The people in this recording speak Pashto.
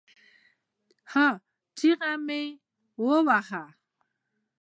هې ! چیغې مه واهه